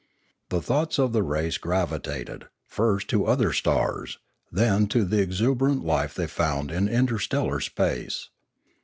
The thoughts of the race gravitated, first to other stars, then to the exuberant life they found in interstellar space.